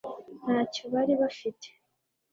ntacyo bari bafite